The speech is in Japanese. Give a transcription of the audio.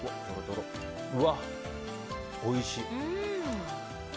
うわっ、おいしい。